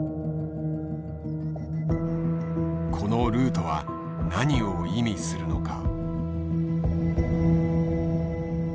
このルートは何を意味するのか？